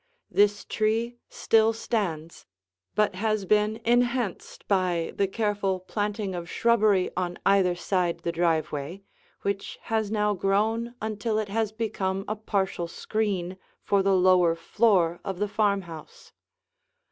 This tree still stands but has been enhanced by the careful planting of shrubbery on either side the driveway, which has now grown until it has become a partial screen for the lower floor of the farmhouse.